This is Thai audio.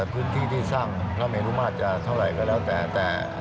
พื้นที่ที่สร้างพระเมรุมาตรจะเท่าไหร่ก็แล้วแต่